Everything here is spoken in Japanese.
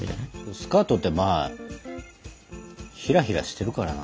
スカートってまあひらひらしてるからな。